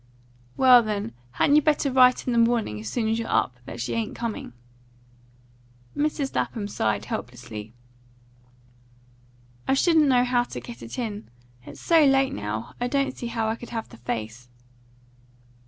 "Well, then, hadn't you better write in the morning, as soon as you're up, that she ain't coming?" Mrs. Lapham sighed helplessly. "I shouldn't know how to get it in. It's so late now; I don't see how I could have the face."